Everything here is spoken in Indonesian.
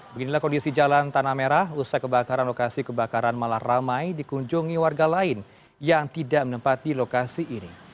beginilah kondisi jalan tanah merah usai kebakaran lokasi kebakaran malah ramai dikunjungi warga lain yang tidak menempati lokasi ini